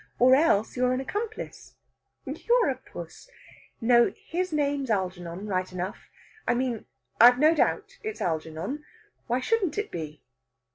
"Or else you're an accomplice." "You're a puss! No, his name's Algernon, right enough.... I mean, I've no doubt it's Algernon. Why shouldn't it be?"